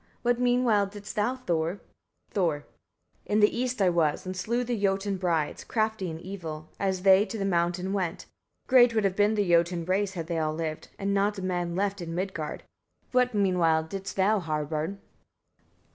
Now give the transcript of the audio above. What meanwhile didst thou, Thor? Thor. 23. In the east I was, and slew the Jotun brides, crafty in evil, as they to the mountain went. Great would have been the Jotun race, had they all lived; and not a man left in Midgard. What meanwhile didst thou, Harbard?